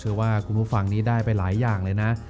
เชื่อว่ากูฟังนี้ได้ไปหลายอย่างเลยนะ